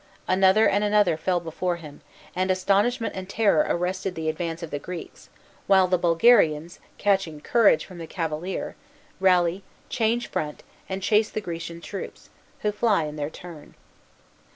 Another and another fell before him, and astonishment and terror arrested the advance of the Greeks, while the Bulgarians, catching courage from the cavalier, rally, change front, and chase the Grecian troops, who fly in their turn.